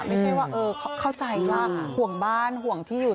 ไม่ใช่ว่าเข้าใจว่าห่วงบ้านห่วงที่อยู่